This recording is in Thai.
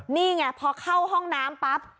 นี่ไงพอเข้าห้องน้ำปั๊บ